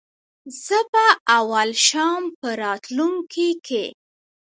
زه به اول شم په راتلونکې کي